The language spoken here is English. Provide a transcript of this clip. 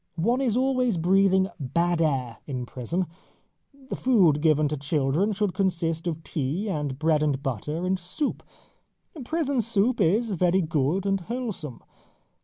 One is always breathing bad air in prison. The food given to children should consist of tea and bread and butter and soup. Prison soup is very good and wholesome.